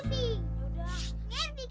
tenang ya tenang